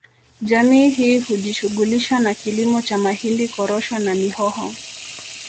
Jamii hii hujishughulisha na kilimo cha mahindi korosho na mihoho